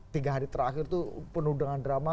tiga hari terakhir itu penuh dengan drama